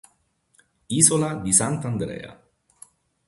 Isola di Sant'Andrea